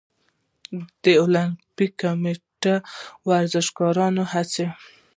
د المپیک کمیټه ورزشکاران هڅوي؟